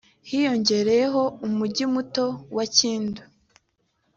hiyongereyeho Umujyi muto wa Kindu